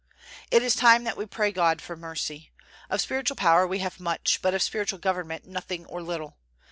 It is time that we pray God for mercy. Of spiritual power we have much; but of spiritual government nothing or little.